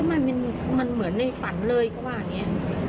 ปั่นเลยก็ว่าอย่างนี้